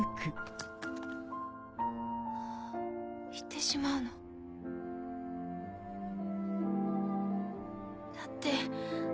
行ってしまうの？だって。